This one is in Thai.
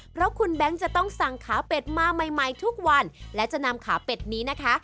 เพราะคุณแบงค์จะต้องสั่งขาเป็ดมาใหม่ใหม่ทุกวันและจะนำขาเป็ดนี้นะคะ